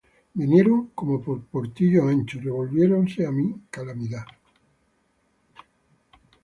Vinieron como por portillo ancho, Revolviéronse á mi calamidad.